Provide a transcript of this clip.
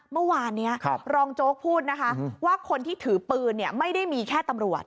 เมื่อวานนี้รองโจ๊กพูดนะคะว่าคนที่ถือปืนไม่ได้มีแค่ตำรวจ